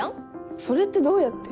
それってどうやって？